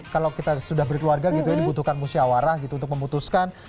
kalau kita sudah berkeluarga gitu ya dibutuhkan musyawarah gitu untuk memutuskan